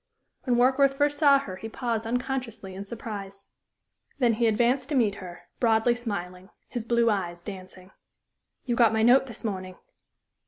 When Warkworth first saw her he paused unconsciously in surprise. Then he advanced to meet her, broadly smiling, his blue eyes dancing. "You got my note this morning?"